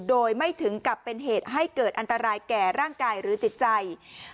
โดยไม่ถึงกับเป็นเหตุให้เกิดอันตรายแก่ร่างกายหรือจิตใจ